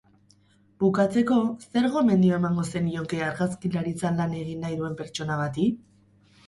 Bukatzeko, zer gomendio emango zenioke argazkilaritzan lan egin nahi duen pertsona bati?